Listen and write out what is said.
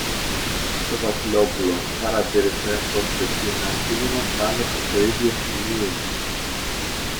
και το Βασιλόπουλο παρατήρησε πως εκείνα πήγαιναν πάντα προς το ίδιο σημείο